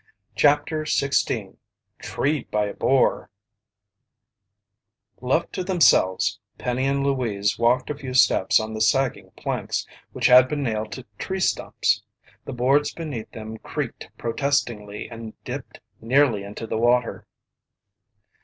CHAPTER 16 TREED BY A BOAR Left to themselves, Penny and Louise walked a few steps on the sagging planks which had been nailed to tree stumps. The boards beneath them creaked protestingly and dipped nearly into the water.